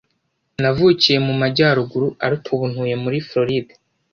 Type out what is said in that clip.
navukiye mu majyaruguru, ariko ubu ntuye muri floride